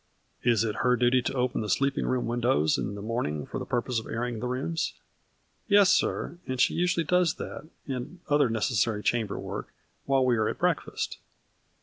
" Is it her duty to open the sleeping room windows in the morning, for the purpose of air ing the rooms ?"" Yes, sir, and she usually does that, and the other necessary chamber work, while we are at breakfast."